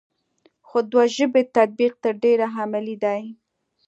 خو دوه ژبې تطبیق تر ډېره عملي دی ا